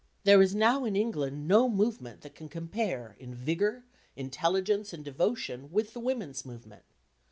There is now in England no movement that can compare in vigour, intelligence and devotion with the women's movement.